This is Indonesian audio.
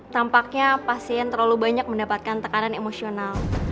tampaknya pasien terlalu banyak mendapatkan tekanan emosional